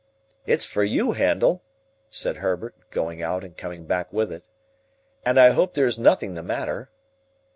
"It's for you, Handel," said Herbert, going out and coming back with it, "and I hope there is nothing the matter."